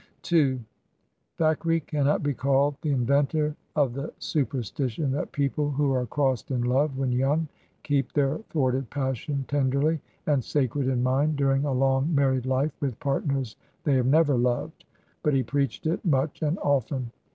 Thackeray cannot be called the inventor of the su perstition that people who are crossed in love when young keep their thwarted passion tenderly and sacred in mind during a long married life with partners they have never loved ; but he preached it much and often.